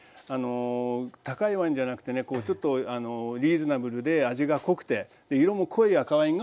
高いワインじゃなくてねちょっとリーズナブルで味が濃くて色も濃い赤ワインがおすすめです。